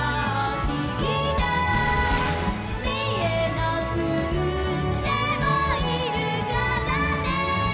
「みえなくってもいるからね」